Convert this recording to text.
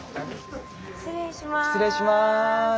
失礼します。